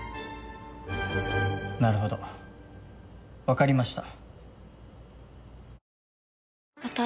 なるほど分かりました。